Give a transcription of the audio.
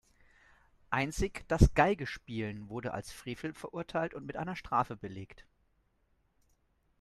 Einzig das Geige spielen wurde als Frevel verurteilt und mit einer Strafe belegt.